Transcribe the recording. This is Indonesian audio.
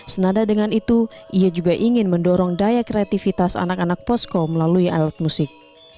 senada dengan itu ia juga ingin mendorong daya kreativitas anak anak posko melalui alat musik